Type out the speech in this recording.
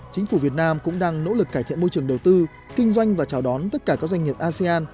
chính phủ việt nam cũng đang nỗ lực cải thiện môi trường đầu tư kinh doanh và chào đón tất cả các doanh nghiệp asean